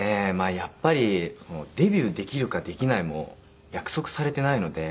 やっぱりデビューできるかできないも約束されてないので。